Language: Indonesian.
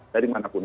dari mana pun